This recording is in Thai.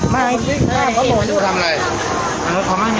มาให้สีหนู